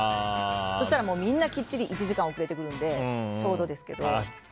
そしたらみんなきっちり１時間遅れてくるのでちょうどですけど。